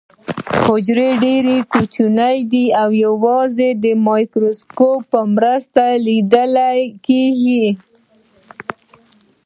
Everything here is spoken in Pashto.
حجره ډیره کوچنۍ ده او یوازې د مایکروسکوپ په مرسته لیدل کیږي